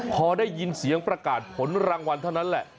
พอได้ยินเสียงประกาศผลรางวัลเท่านั้นแหละ